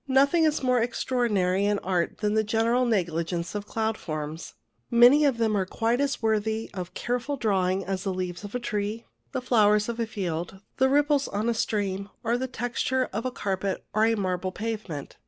Nothing is more extraordinary in art than the general negligence of cloud forms. Many of them are quite as worthy of careful drawing as the leaves of a tree, the flowers of a field, the ripples on a stream, or the texture of a carpet, or a marble pavement.